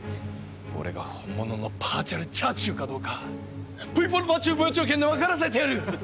俺が本物のパーチャルチャーチューかどうかプイポルパーチュープーチュー拳で分からせてやる！